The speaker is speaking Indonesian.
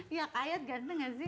iya kak ayat ganteng gak sih